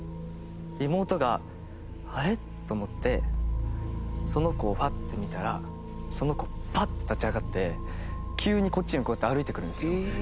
妹があれ？と思ってその子をパッて見たらその子パッて立ち上がって急にこっちにこうやって歩いてくるんですよ。